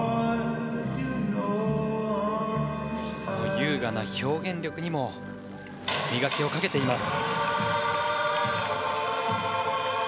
優雅な表現力にも磨きをかけています。